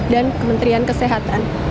dan kementerian kesehatan